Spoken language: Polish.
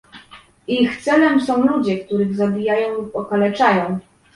Ich celem są ludzie, których zabijają lub okaleczają